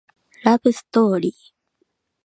ラブストーリー